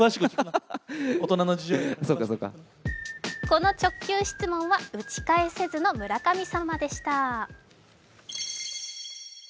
この直球質問は打ち返せずの村神様でした。